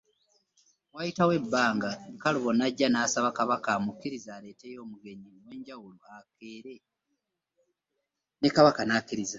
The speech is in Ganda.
Waayitawo ebbanga Nkalubo n’ajja n’asaba Kabaka amukkirize amuleetereyo omugenyi ow’enjawulo enkeera ne Kabaka n’akkiriza.